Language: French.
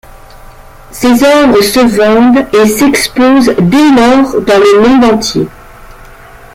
Ses œuvres se vendent et s'exposent dès lors dans le monde entier.